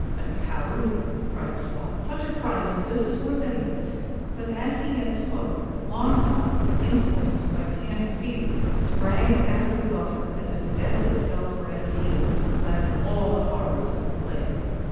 "The coward!" cried Swot: "such a prize as this is worth any risk." But as he yet spoke, Long Bob, influenced by panic fear, sprang after the Buffer, as if Death itself were at his heels, clad in all the horrors of the plague.